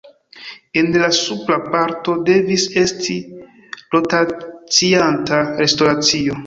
En la supra parto devis esti rotacianta restoracio.